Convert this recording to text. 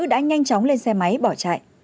đã nhanh chóng lên xe máy bỏ chạy